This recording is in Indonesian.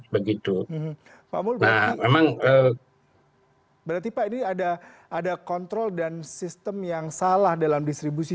begitu pak mul berarti pak ini ada kontrol dan sistem yang salah dalam distribusi